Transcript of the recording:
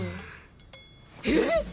えっ！？